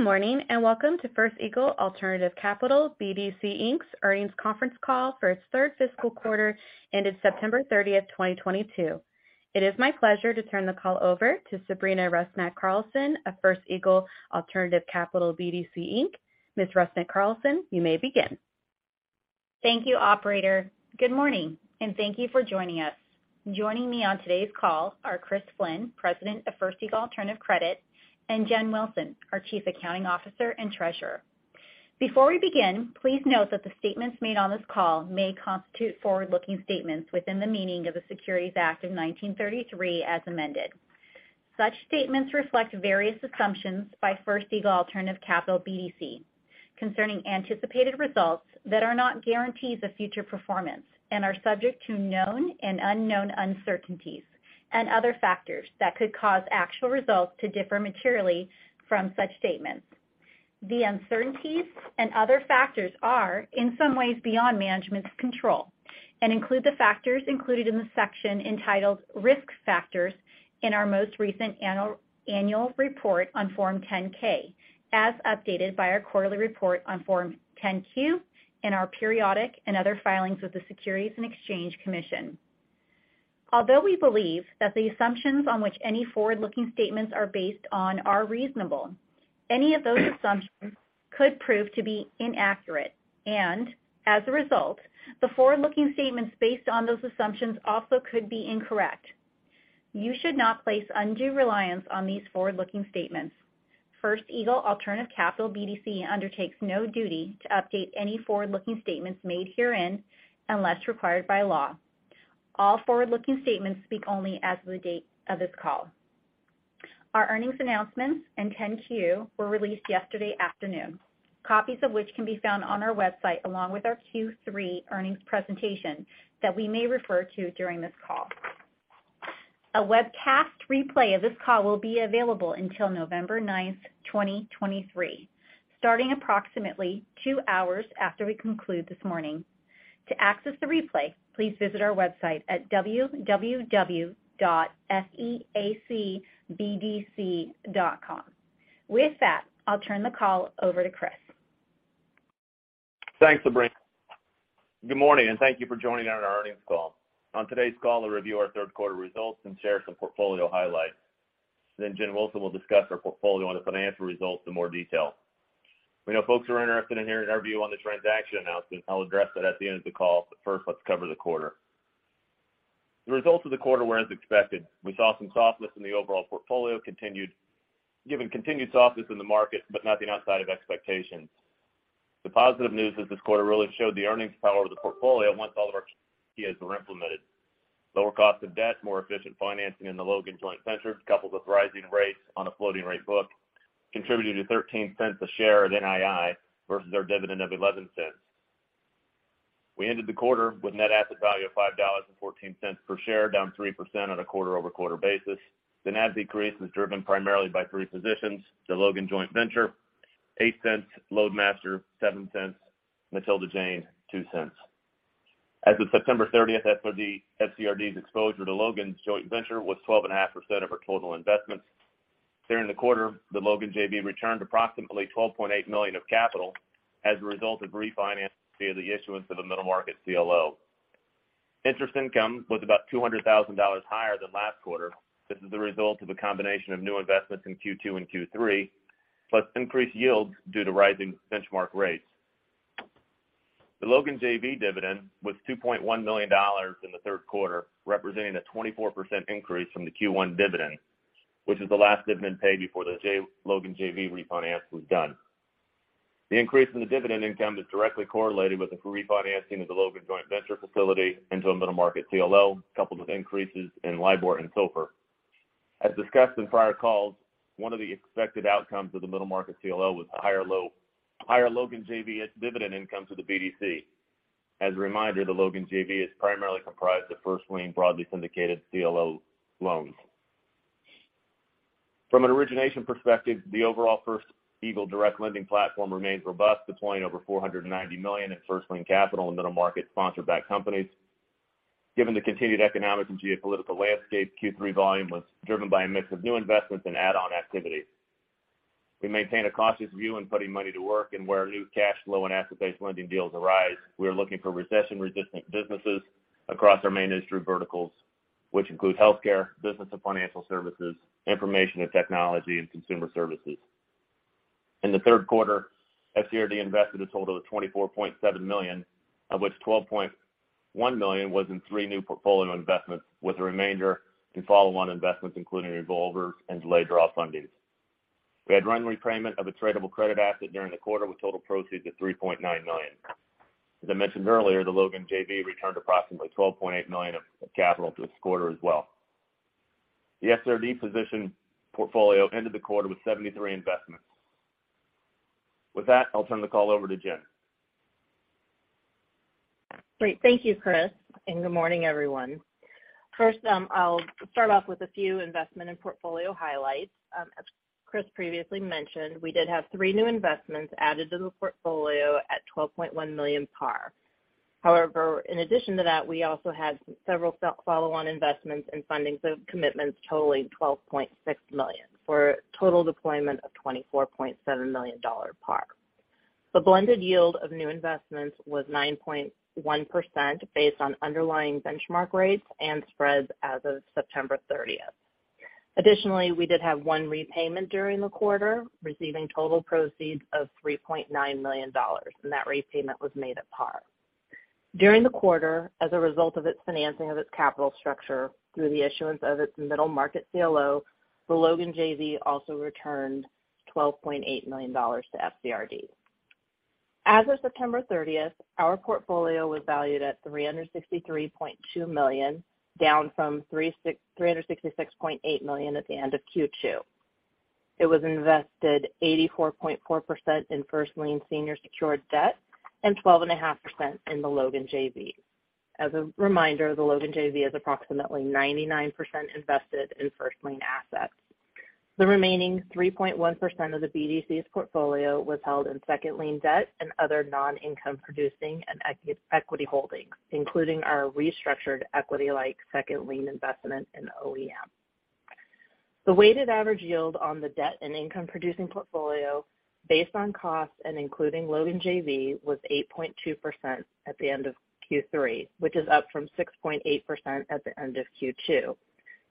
Good morning, and welcome to First Eagle Alternative Capital BDC, Inc.'s earnings conference call for its third fiscal quarter ended September 30th, 2022. It is my pleasure to turn the call over to Sabrina Rusnak-Carlson of First Eagle Alternative Capital BDC, Inc.. Ms. Rusnak-Carlson, you may begin. Thank you, operator. Good morning, and thank you for joining us. Joining me on today's call are Chris Flynn, President of First Eagle Alternative Credit, and Jen Wilson, our Chief Accounting Officer and Treasurer. Before we begin, please note that the statements made on this call may constitute forward-looking statements within the meaning of the Securities Act of 1933 as amended. Such statements reflect various assumptions by First Eagle Alternative Capital BDC concerning anticipated results that are not guarantees of future performance and are subject to known and unknown uncertainties and other factors that could cause actual results to differ materially from such statements. The uncertainties and other factors are in some ways beyond management's control and include the factors included in the section entitled Risk Factors in our most recent annual report on Form 10-K, as updated by our quarterly report on Form 10-Q and our periodic and other filings with the Securities and Exchange Commission. Although we believe that the assumptions on which any forward-looking statements are based on are reasonable, any of those assumptions could prove to be inaccurate. As a result, the forward-looking statements based on those assumptions also could be incorrect. You should not place undue reliance on these forward-looking statements. First Eagle Alternative Capital BDC undertakes no duty to update any forward-looking statements made herein unless required by law. All forward-looking statements speak only as of the date of this call. Our earnings announcements and 10-Q were released yesterday afternoon, copies of which can be found on our website along with our Q3 earnings presentation that we may refer to during this call. A webcast replay of this call will be available until November ninth, 2023, starting approximately two hours after we conclude this morning. To access the replay, please visit our website at www.feac.com. With that, I'll turn the call over to Chris. Thanks, Sabrina. Good morning, and thank you for joining on our earnings call. On today's call, I'll review our third quarter results and share some portfolio highlights. Then Jen Wilson will discuss our portfolio and the financial results in more detail. We know folks are interested in hearing our view on the transaction announcement. I'll address that at the end of the call. First, let's cover the quarter. The results of the quarter were as expected. We saw some softness in the overall portfolio continued, given continued softness in the market, but nothing outside of expectations. The positive news is this quarter really showed the earnings power of the portfolio once all of our strategies were implemented. Lower cost of debt, more efficient financing in the Logan Joint Venture, coupled with rising rates on a floating rate book, contributed to $0.13 per share of NII versus our dividend of $0.11. We ended the quarter with net asset value of $5.14 per share, down 3% on a quarter-over-quarter basis. The NAV decrease was driven primarily by three positions, the Logan Joint Venture, $0.08, Loadmaster, $0.07, Matilda Jane, $0.02. As of September 30th, FCRD's exposure to Logan's Joint Venture was 12.5% of our total investments. During the quarter, the Logan JV returned approximately $12.8 million of capital as a result of refinancing the issuance of a middle market CLO. Interest income was about $200,000 higher than last quarter. This is the result of a combination of new investments in Q2 and Q3, plus increased yields due to rising benchmark rates. The Logan JV dividend was $2.1 million in the third quarter, representing a 24% increase from the Q1 dividend, which is the last dividend paid before the Logan JV refinance was done. The increase in the dividend income is directly correlated with the refinancing of the Logan Joint Venture facility into a middle market CLO, coupled with increases in LIBOR and SOFR. As discussed in prior calls, one of the expected outcomes of the middle market CLO was higher Logan JV dividend income to the BDC. As a reminder, the Logan JV is primarily comprised of first-lien broadly syndicated CLO loans. From an origination perspective, the overall First Eagle direct lending platform remains robust, deploying over $490 million in first-lien capital in middle-market sponsor-backed companies. Given the continued economic and geopolitical landscape, Q3 volume was driven by a mix of new investments and add-on activities. We maintain a cautious view in putting money to work and where new cash flow and asset-based lending deals arise. We are looking for recession-resistant businesses across our main industry verticals, which include healthcare, business and financial services, information and technology, and consumer services. In the third quarter, FCRD invested a total of $24.7 million, of which $12.1 million was in three new portfolio investments, with the remainder in follow-on investments, including revolvers and delayed draw fundings. We had one repayment of a tradable credit asset during the quarter with total proceeds of $3.9 million. As I mentioned earlier, the Logan JV returned approximately $12.8 million of capital this quarter as well. The FCRD portfolio ended the quarter with 73 investments. With that, I'll turn the call over to Jen. Great. Thank you, Chris, and good morning, everyone. First, I'll start off with a few investment and portfolio highlights. As Chris previously mentioned, we did have three new investments added to the portfolio at $12.1 million par. However, in addition to that, we also had several self follow-on investments and funding commitments totaling $12.6 million for total deployment of $24.7 million par. The blended yield of new investments was 9.1% based on underlying benchmark rates and spreads as of September 30th. Additionally, we did have one repayment during the quarter, receiving total proceeds of $3.9 million, and that repayment was made at par. During the quarter, as a result of its financing of its capital structure through the issuance of its middle market CLO, the Logan JV also returned $12.8 million to FCRD. As of September 30th, our portfolio was valued at $363.2 million, down from $366.8 million at the end of Q2. It was invested 84.4% in first-lien senior secured debt and 12.5% in the Logan JV. As a reminder, the Logan JV is approximately 99% invested in first-lien assets. The remaining 3.1% of the BDC's portfolio was held in second-lien debt and other non-income producing and equity holdings, including our restructured equity-like second-lien investment in OEM. The weighted average yield on the debt and income-producing portfolio based on cost and including Logan JV was 8.2% at the end of Q3, which is up from 6.8% at the end of Q2.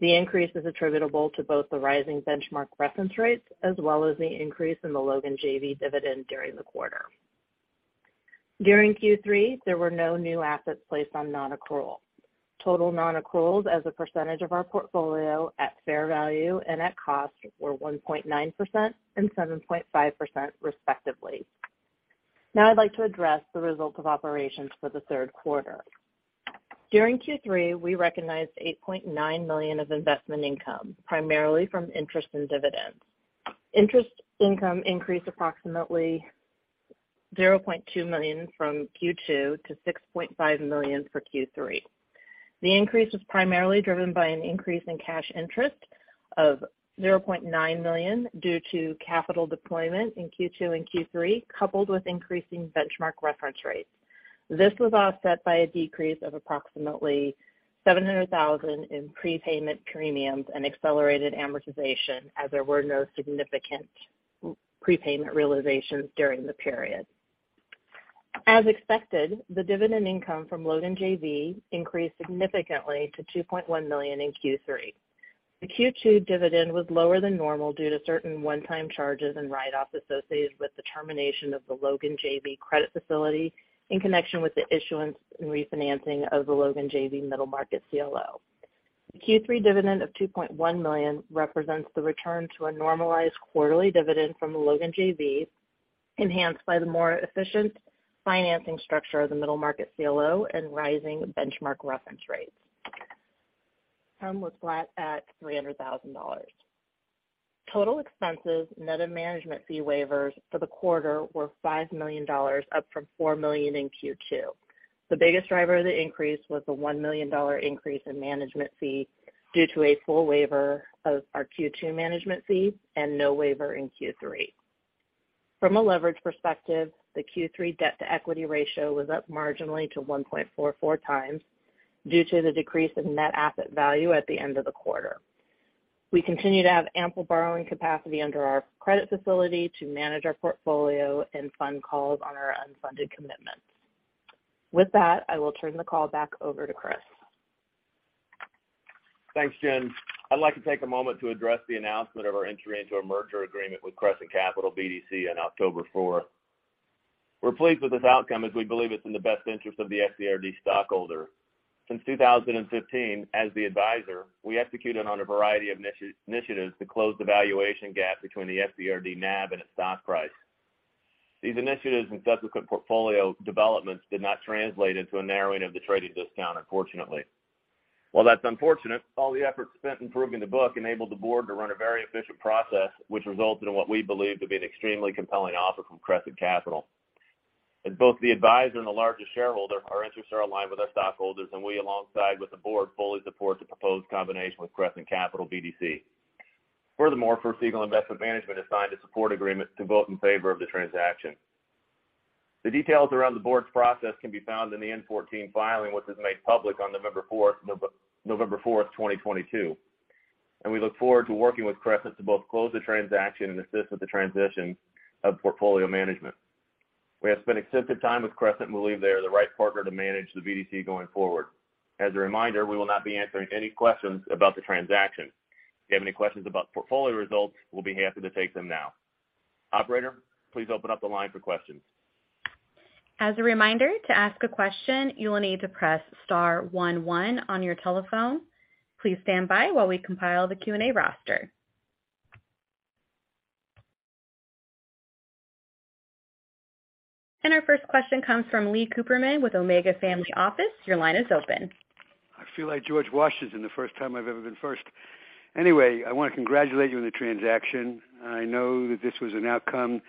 The increase is attributable to both the rising benchmark reference rates as well as the increase in the Logan JV dividend during the quarter. During Q3, there were no new assets placed on non-accrual. Total non-accruals as a percentage of our portfolio at fair value and at cost were 1.9% and 7.5% respectively. Now I'd like to address the results of operations for the third quarter. During Q3, we recognized $8.9 million of investment income, primarily from interest and dividends. Interest income increased approximately $0.2 million from Q2 to $6.5 million for Q3. The increase was primarily driven by an increase in cash interest of $0.9 million due to capital deployment in Q2 and Q3, coupled with increasing benchmark reference rates. This was offset by a decrease of approximately $700,000 in prepayment premiums and accelerated amortization, as there were no significant prepayment realizations during the period. As expected, the dividend income from Logan JV increased significantly to $2.1 million in Q3. The Q2 dividend was lower than normal due to certain one-time charges and write-offs associated with the termination of the Logan JV credit facility in connection with the issuance and refinancing of the Logan JV middle market CLO. The Q3 dividend of $2.1 million represents the return to a normalized quarterly dividend from the Logan JV, enhanced by the more efficient financing structure of the middle market CLO and rising benchmark reference rates. NII came in flat at $300,000. Total expenses net of management fee waivers for the quarter were $5 million, up from $4 million in Q2. The biggest driver of the increase was the $1 million increase in management fee due to a full waiver of our Q2 management fee and no waiver in Q3. From a leverage perspective, the Q3 debt-to-equity ratio was up marginally to 1.44x due to the decrease in net asset value at the end of the quarter. We continue to have ample borrowing capacity under our credit facility to manage our portfolio and fund calls on our unfunded commitments. With that, I will turn the call back over to Chris. Thanks, Jen. I'd like to take a moment to address the announcement of our entry into a merger agreement with Crescent Capital BDC on October fourth. We're pleased with this outcome as we believe it's in the best interest of the FCRD stockholder. Since 2015, as the advisor, we executed on a variety of initiatives to close the valuation gap between the FCRD NAV and its stock price. These initiatives and subsequent portfolio developments did not translate into a narrowing of the trading discount, unfortunately. While that's unfortunate, all the efforts spent improving the book enabled the board to run a very efficient process, which resulted in what we believe to be an extremely compelling offer from Crescent Capital. As both the advisor and the largest shareholder, our interests are aligned with our stockholders, and we, alongside with the board, fully support the proposed combination with Crescent Capital BDC. Furthermore, First Eagle Investment Management has signed a support agreement to vote in favor of the transaction. The details around the board's process can be found in the N-14 filing, which was made public on November 4th, 2022, and we look forward to working with Crescent to both close the transaction and assist with the transition of portfolio management. We have spent extensive time with Crescent and believe they are the right partner to manage the BDC going forward. As a reminder, we will not be answering any questions about the transaction. If you have any questions about the portfolio results, we'll be happy to take them now. Operator, please open up the line for questions. As a reminder, to ask a question, you will need to press star one one on your telephone. Please stand by while we compile the Q&A roster. Our first question comes from Leon Cooperman with Omega Family Office. Your line is open. I feel like George Washington, the first time I've ever been first. Anyway, I want to congratulate you on the transaction. I know that this was an outcome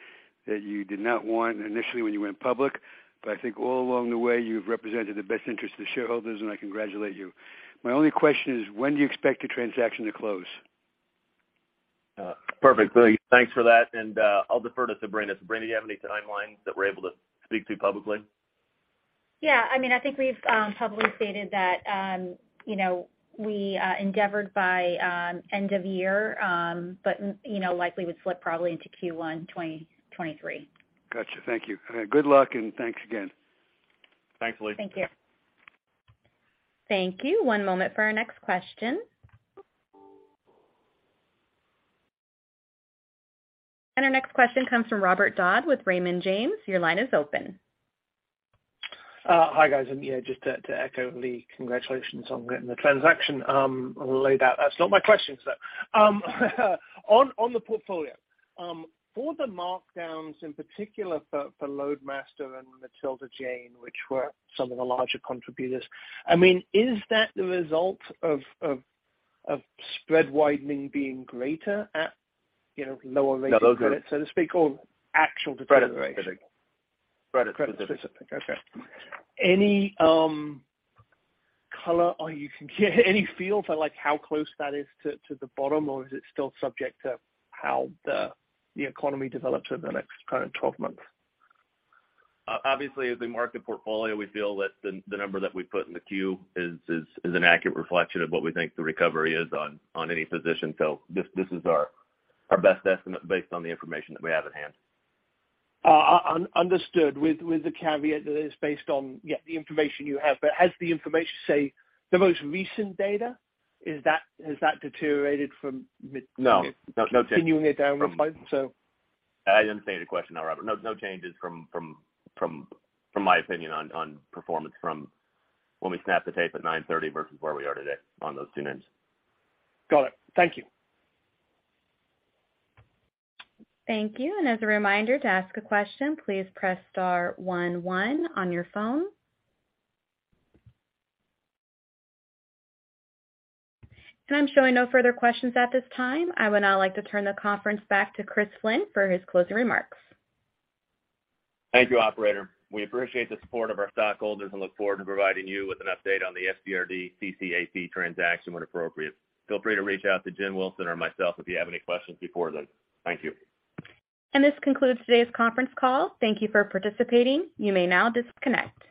that you did not want initially when you went public, but I think all along the way, you've represented the best interest of the shareholders, and I congratulate you. My only question is, when do you expect the transaction to close? Perfect, Lee. Thanks for that. I'll defer to Sabrina. Sabrina, do you have any timelines that we're able to speak to publicly? Yeah. I mean, I think we've publicly stated that, you know, we endeavored by end of year, but, you know, likely would slip probably into Q1 2023. Gotcha. Thank you. Good luck, and thanks again. Thanks, Lee. Thank you. Thank you. One moment for our next question. Our next question comes from Robert Dodd with Raymond James. Your line is open. Hi, guys. Yeah, just to echo Lee, congratulations on getting the transaction laid out. That's not my question, sir. On the portfolio, for the markdowns in particular for Loadmaster and Matilda Jane, which were some of the larger contributors, I mean, is that the result of spread widening being greater at, you know, lower rates? No, those are. of credit, so to speak, or actual deterioration? Credit specific. Credit specific. Okay. Any color or feel you can get on like how close that is to the bottom, or is it still subject to how the economy develops over the next kind of twelve months? Obviously, as we mark the portfolio, we feel that the number that we put in the Q is an accurate reflection of what we think the recovery is on any position. This is our best estimate based on the information that we have at hand. Understood. With the caveat that is based on, yeah, the information you have. Has the information, say, the most recent data, deteriorated from mid-? No. No changes. Continuing it down from five. I understand the question now, Robert. No changes from my opinion on performance from when we snapped the tape at 9:30 A.M. versus where we are today on those two names. Got it. Thank you. Thank you. As a reminder, to ask a question, please press star one one on your phone. I'm showing no further questions at this time. I would now like to turn the conference back to Chris Flynn for his closing remarks. Thank you, operator. We appreciate the support of our stockholders and look forward to providing you with an update on the FCRD CCAP transaction when appropriate. Feel free to reach out to Jennifer Wilson or myself if you have any questions before then. Thank you. This concludes today's conference call. Thank you for participating. You may now disconnect.